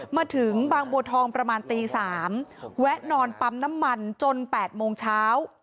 มาถึงบางบัวทองประมาณตี๓แวะนอนปั๊มน้ำมันจน๘โมงเช้า